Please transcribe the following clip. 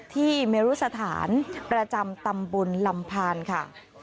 ที่เมรุสถานประจำตำบลลำพานค่ะ